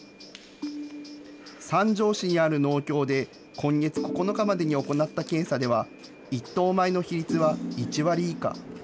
三条市にある農協で、今月９日までに行った検査では、１等米の比率は１割以下。